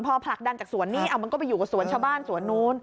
พอผลักดันจากสวนนี้มันก็ไปอยู่กับสวนชาวบ้านสวนนู้น